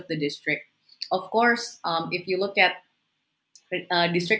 tentu saja jika kita melihat kapasitas distrik